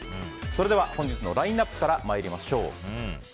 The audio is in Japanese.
それでは本日のラインアップから参りましょう。